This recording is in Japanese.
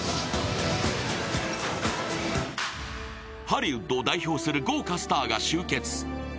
ハリウッドを代表する豪華スターが集結。